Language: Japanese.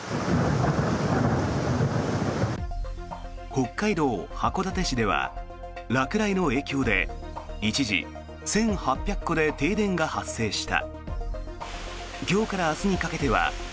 北海道函館市では落雷の影響で一時、１８００戸で停電が発生した。